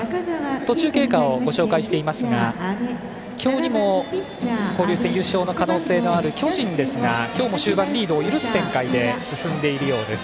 途中経過をご紹介していますが今日にも交流戦優勝の可能性がある巨人ですが今日も終盤、リードを許す展開で進んでいるようです。